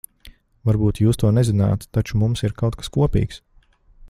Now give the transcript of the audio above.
Varbūt jūs to nezināt, taču mums ir kaut kas kopīgs.